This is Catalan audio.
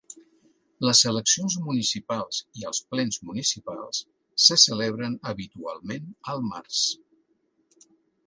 Les eleccions municipals i els plens municipals se celebren habitualment al març.